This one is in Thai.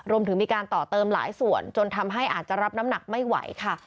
รวมถึงมีการต่อเติมหลายส่วนจนทำให้อาจจะรับน้ำหนักไม่ไหวค่ะ